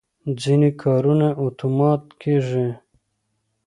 ځینې کارونه اتومات کېږي.